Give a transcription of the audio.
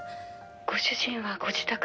「ご主人はご自宅で」